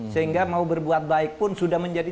sehingga mau berbuat baik pun sudah menjadi